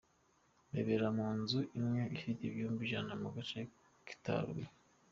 Bibera mu nzu imwe ifite ibyumba ijana mu gace kitaruye.